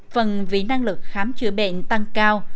phần vị năng lực khám chữa bệnh tăng cao